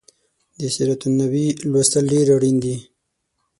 د سیرت النبي لوستل ډیر اړین دي